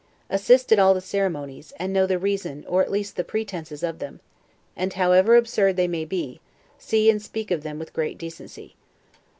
Assist at all the ceremonies, and know the reason, or at least the pretenses of them, and however absurd they may be, see and speak of them with great decency.